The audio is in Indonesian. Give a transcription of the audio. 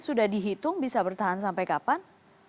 sudah dihitung bisa bertahan sampai kapan